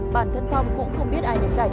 bản thân phong cũng không biết